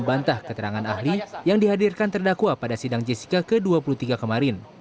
membantah keterangan ahli yang dihadirkan terdakwa pada sidang jessica ke dua puluh tiga kemarin